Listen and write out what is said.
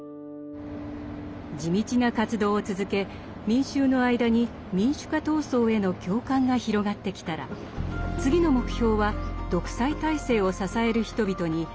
地道な活動を続け民衆の間に民主化闘争への共感が広がってきたら次の目標は独裁体制を支える人々に働きかけることです。